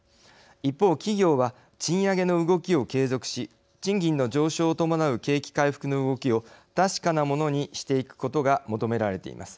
一方企業は賃上げの動きを継続し賃金の上昇を伴う景気回復の動きを確かなものにしていくことが求められています。